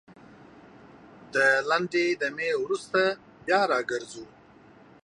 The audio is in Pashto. دا لنډې دمي نه وروسته بيا راګرځوو